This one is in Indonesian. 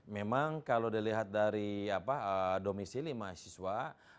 memang kalau dilihat dari domisi lima siswa